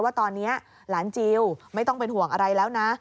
ว่าตอนนี้หลานจิลไม่ต้องเป็นห่วงอะไรแล้วนะ